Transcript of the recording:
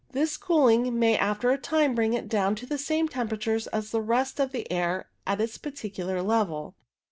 This cooling may after a time bring it down to the same temperature as the rest of the air at its particular level.